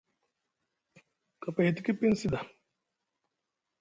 Kapay e tiki piŋ sda.